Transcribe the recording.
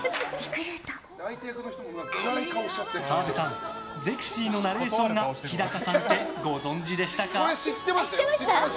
澤部さん「ゼクシィ」のナレーションが日高さんって、ご存じでしたか？